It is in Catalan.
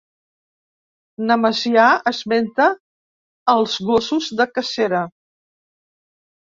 Nemesià esmenta als gossos de casera.